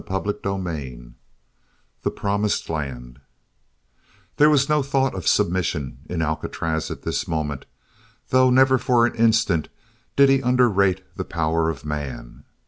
CHAPTER VII THE PROMISED LAND There was no thought of submission in Alcatraz at this moment, though never for an instant did he under rate the power of man.